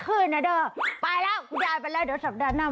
หยันเล่มมาเคลื่อนเกิดเกิดนั่นเนี่ย